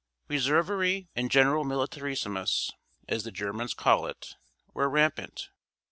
Reservery and general militarismus (as the Germans call it) were rampant.